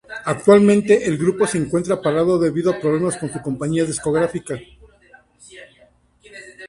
Actualmente, el grupo se encuentra parado debido a problemas con su compañía discográfica.